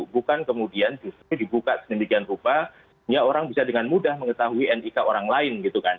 bukan kemudian justru dibuka sedemikian rupanya orang bisa dengan mudah mengetahui nik orang lain gitu kan